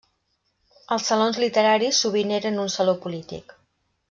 Els salons literaris sovint eren un saló polític.